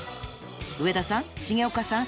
上田さん重岡さん